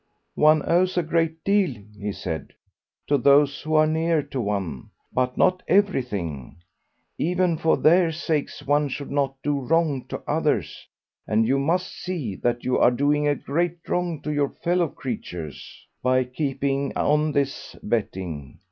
"One owes a great deal," he said, "to those who are near to one, but not everything; even for their sakes one should not do wrong to others, and you must see that you are doing a great wrong to your fellow creatures by keeping on this betting.